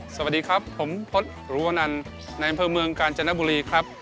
สวัสดีครับผมพจน์หรูวนันในอำเภอเมืองกาญจนบุรีครับ